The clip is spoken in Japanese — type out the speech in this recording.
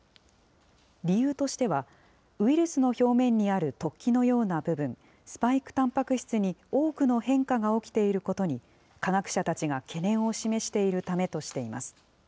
理由としては、ウイルスの表面にある突起のような部分、スパイクたんぱく質に多くの変化が起きていることに、科学者たちが懸念を示しているためとしています。